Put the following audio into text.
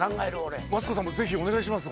俺マツコさんもぜひお願いします